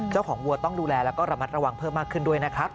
วัวต้องดูแลแล้วก็ระมัดระวังเพิ่มมากขึ้นด้วยนะครับ